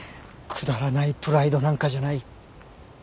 くだらないプライドなんかじゃない。